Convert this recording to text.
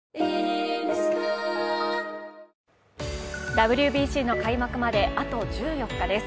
ＷＢＣの開幕まであと１４日です。